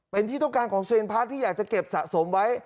เป็นที่ต้องการของเซ็นพาร์ทที่อยากจะเก็บสะสมไว้